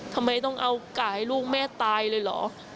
ทำไมต้องเอาไก่ลูกแม่ตายเลยเหรอ